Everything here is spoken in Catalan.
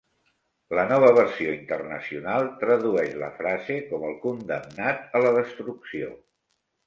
La nova versió internacional tradueix la frase com el condemnat a la destrucció.